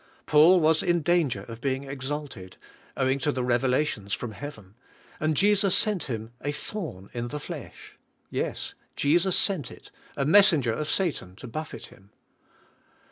Paul was in danger of being exalted, owing to the reve lations from Heaven, and Jesus sent him a thorn in the flesh — yes, Jesus sent it — a messenger of Satan — to buffet him.